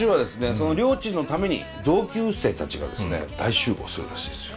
そのりょーちんのために同級生たちがですね大集合するらしいですよ。